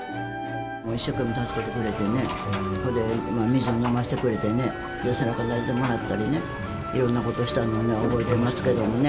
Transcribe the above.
一生懸命助けてくれてね、それで水も飲ませてくれてね、背中なでてもらったりね、いろんなことをしてもらったの覚えてますけどね。